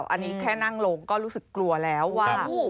อันนี้แค่นั่งลงก็รู้สึกกลัวแล้วว่า